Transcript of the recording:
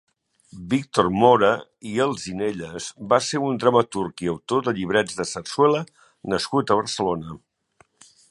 Víctor Mora i Alzinelles va ser un dramaturg i autor de llibrets de sarsuela nascut a Barcelona.